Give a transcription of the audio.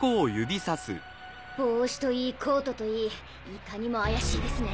帽子といいコートといいいかにも怪しいですね。